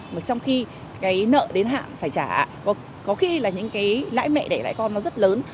mà trong khi cái nợ đến hạn phải trả có khi là những cái lãi mẹ để lãi con nó rất lớn